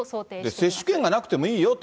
接種券がなくてもいいよと。